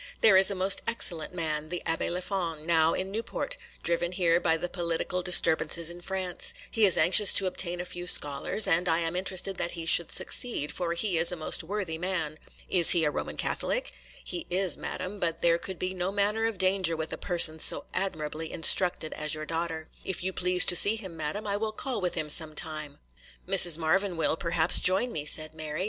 There is a most excellent man, the Abbé Léfon, now in Newport, driven here by the political disturbances in France; he is anxious to obtain a few scholars, and I am interested that he should succeed, for he is a most worthy man.' 'Is he a Roman Catholic?' 'He is, madam; but there could be no manner of danger with a person so admirably instructed as your daughter. If you please to see him, madam, I will call with him some time.' 'Mrs. Marvyn will, perhaps, join me,' said Mary.